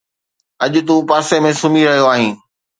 اڄ تون پاسي ۾ سمهي رهيو آهين